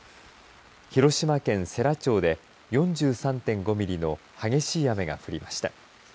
広島県世羅町で４３．５ミリの激しい雨が降りました。